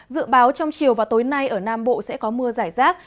dự báo trong chiều và tối nay ở nam bộ sẽ có mưa giải rác